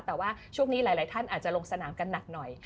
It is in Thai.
แต่ว่าช่วงนี้หลายท่านอาจจะลงสนามกันหนักหน่อย